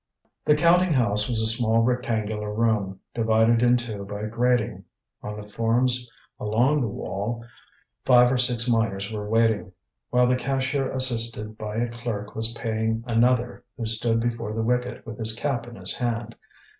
The counting house was a small rectangular room, divided in two by a grating. On the forms along the wall five or six miners were waiting; while the cashier assisted by a clerk was paying another who stood before the wicket with his cap in his hand.